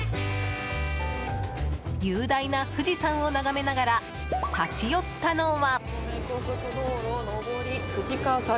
雄大な富士山を眺めながら立ち寄ったのは。